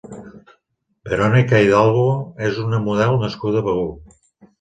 Verónica Hidalgo és una model nascuda a Begur.